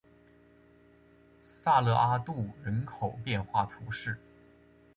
萨勒阿杜人口变化图示